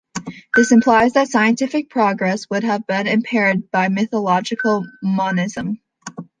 This implies that scientific progress would have been impaired by methodological monism.